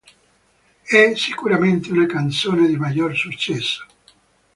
È sicuramente una canzone di maggior successo.